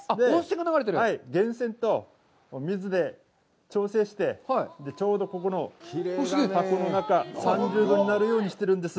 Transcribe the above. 源泉と水で調整して、ちょうどここの箱の中が３０度になるようにしているんです。